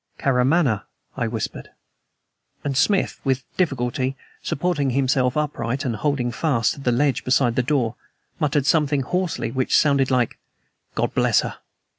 "Karamaneh," I whispered. And Smith, with difficulty, supporting himself upright, and holding fast to the ledge beside the door, muttered something hoarsely, which sounded like "God bless her!"